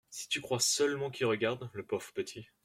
Si tu crois seulement qu’il regarde, le pauvre petit !